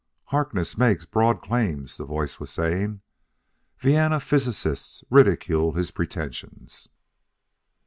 "Harkness makes broad claims," the voice was saying. "Vienna physicists ridicule his pretensions.